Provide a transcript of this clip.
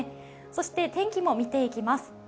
そして天気も見ていきます。